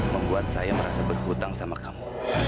membuat saya merasa berhutang sama kamu